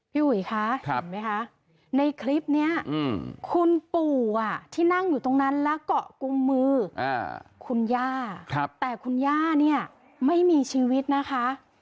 อุ๋ยคะเห็นไหมคะในคลิปนี้คุณปู่ที่นั่งอยู่ตรงนั้นแล้วเกาะกุมมือคุณย่าแต่คุณย่าเนี่ยไม่มีชีวิตนะคะ